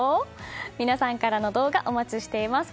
皆さんからの動画お待ちしています。